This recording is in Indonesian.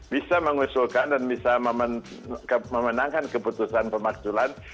bisa mengusulkan dan bisa memenangkan keputusan pemaksulan